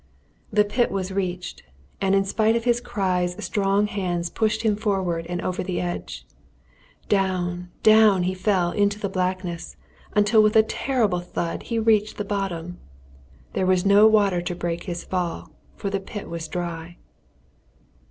The pit was reached, and in spite of his cries strong hands pushed him forward and over the edge. Down, down he fell into the blackness, until with a terrible thud he reached the bottom. There was no water to break his fall, for the pit was dry.